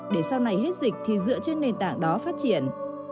để sau này hết dịch thì dựa trên nền tảng đó phát triển